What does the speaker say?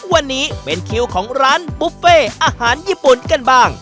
วันนี้เป็นคิวของร้านบุฟเฟ่อาหารญี่ปุ่นกันบ้าง